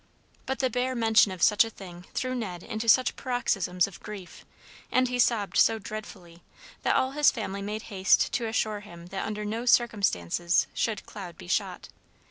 But the bare mention of such a thing threw Ned into such paroxysms of grief, and he sobbed so dreadfully, that all his family made haste to assure him that under no circumstances should Cloud be shot.